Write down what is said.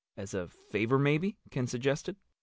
"As a favor, maybe," Ken suggested.